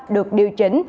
được điều chỉnh